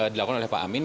dilakukan oleh pak amin